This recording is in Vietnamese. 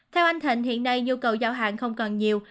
theo anh thịnh hiện nay nhu cầu giao hàng không còn nhiều